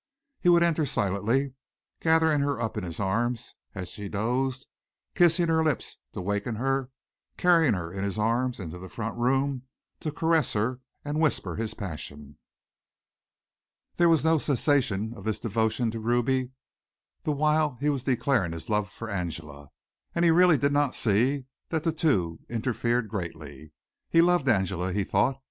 He would enter silently, gathering her up in his arms as she dozed, kissing her lips to waken her, carrying her in his arms into the front room to caress her and whisper his passion. There was no cessation of this devotion to Ruby the while he was declaring his love for Angela, and he really did not see that the two interfered greatly. He loved Angela, he thought.